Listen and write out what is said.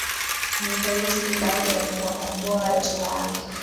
miaka yote hiyo baada ya kuwakomboa watu wake